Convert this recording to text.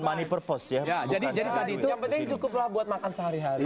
money purpose ya jadi itu yang penting cukuplah buat makan sehari hari